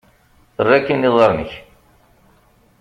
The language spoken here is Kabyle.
Err akkin iḍarren-ik!